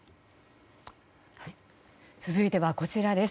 続いてはこちらです。